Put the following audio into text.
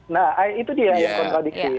nah itu dia yang kontradiksi